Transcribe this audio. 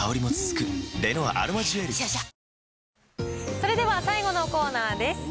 それでは最後のコーナーです。